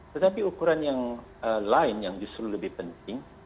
tetapi ukuran yang lain yang justru lebih penting